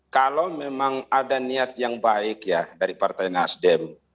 kalau memang ada niat yang baik ya dari partai nasdem